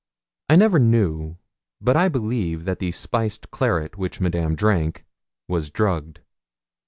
I never knew, but I believe that the spiced claret which Madame drank was drugged.